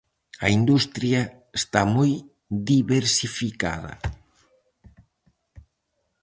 A industria está moi diversificada.